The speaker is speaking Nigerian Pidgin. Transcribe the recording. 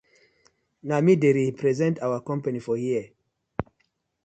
Na mi dey represent our company for here.